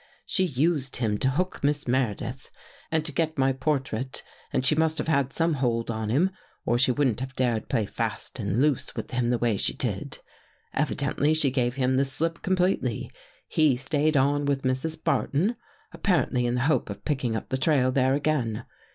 She used him to hook Miss Meredith and to get my 151 THE GHOST GIRL portrait and she must have had some hold on him, or she wouldn't have dared play fast and loose with him the way she did. Evidently she gave him the slip completely. He stayed on with Mrs. Barton, apparently in the hope of picking up the trail there again.